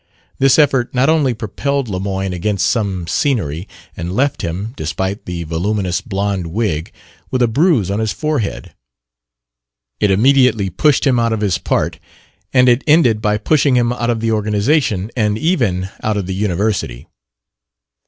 This effort not only propelled Lemoyne against some scenery and left him, despite the voluminous blond wig, with a bruise on his forehead; it immediately pushed him out of his part, and it ended by pushing him out of the organization and even out of the University.